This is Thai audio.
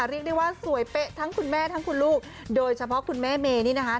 เรียกได้ว่าสวยเป๊ะทั้งคุณแม่ทั้งคุณลูกโดยเฉพาะคุณแม่เมนี่นะคะ